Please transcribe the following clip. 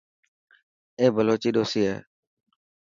اي بلوچ ڏوسي هي.